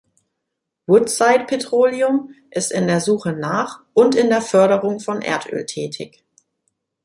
Woodside Petroleum ist in der Suche nach und in der Förderung von Erdöl tätig.